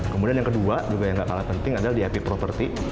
kemudian yang kedua juga yang gak kalah penting adalah di happ property